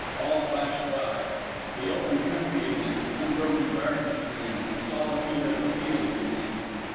All flashed by. The open country again, unbroken darkness again, and solitude of the fields again.